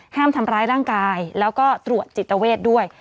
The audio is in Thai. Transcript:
ทำร้ายร่างกายแล้วก็ตรวจจิตเวทด้วย